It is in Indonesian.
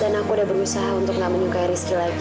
dan aku udah berusaha untuk gak menyukai rizky lagi